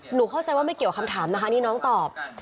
เข้าใจว่าไม่เกี่ยวคำถามนะคะนี่น้องตอบ